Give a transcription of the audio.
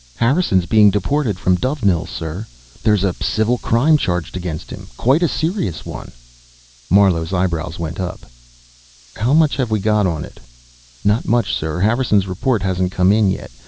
"Harrison's being deported from Dovenil, sir. There's a civil crime charged against him. Quite a serious one." Marlowe's eyebrows went up. "How much have we got on it?" "Not too much, sir. Harrison's report hasn't come in yet.